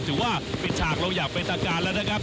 ที่ถือว่าปิดชาร์จเรายากเป็นทางการแล้วนะครับ